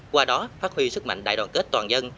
qua đó phát huy sức mạnh đại đoàn kết toàn dân